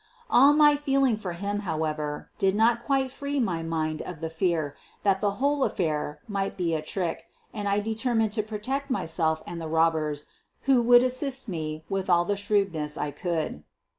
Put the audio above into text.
All my feeling for him, however, did not quite free my mind of the fear that the whole affair might be a trick, and I determined to protect myself and the robbers who would assist me with all the shrewdness I could.